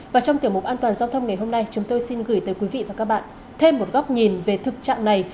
và trong tiểu mục an toàn giao thông ngày hôm nay chúng tôi xin gửi tới quý vị và các bạn thêm một góc nhìn về thực trạng này